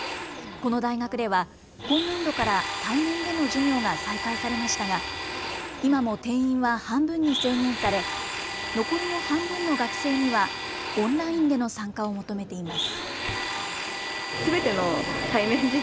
この大学では今年度から対面での授業が再開されましたが今も定員は半分に制限され残りの半分の学生にはオンラインでの参加を求めています。